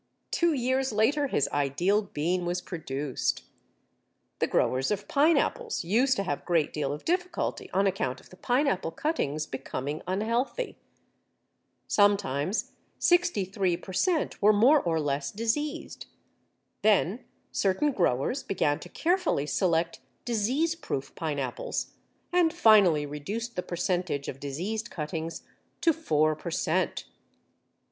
Two years later his ideal bean was produced! The growers of pineapples used to have a great deal of difficulty on account of the pineapple cuttings becoming unhealthy. Sometimes 63 per cent. were more or less diseased. Then certain growers began to carefully select disease proof pineapples, and finally reduced the percentage of diseased cuttings to four per cent.